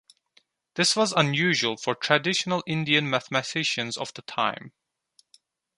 This was unusual for traditional Indian mathematicians of the time.